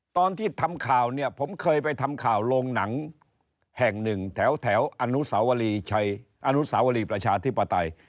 ตอนที่ทำข่าวเนี่ยผมเคยไปทำข่าวโรงหนังแห่งหนึ่งแถวอนุสาวรีชัยอนุสาวรีประชาธิปไตย